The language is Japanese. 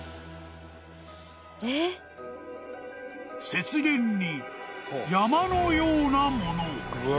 ［雪原に山のようなもの］